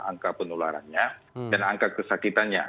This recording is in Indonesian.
angka penularannya dan angka kesakitannya